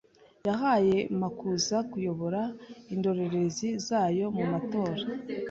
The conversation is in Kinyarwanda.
yahaye Makuza kuyobora indorerezi zayo mu Matora